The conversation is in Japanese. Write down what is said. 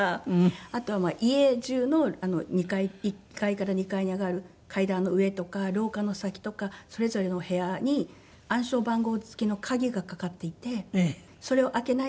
あとは家中の１階から２階に上がる階段の上とか廊下の先とかそれぞれのお部屋に暗証番号つきの鍵がかかっていてそれを開けないと。